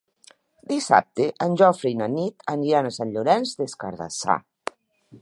Dissabte en Jofre i na Nit aniran a Sant Llorenç des Cardassar.